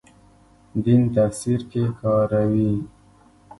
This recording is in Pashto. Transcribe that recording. دین تفسیر کې کاروي.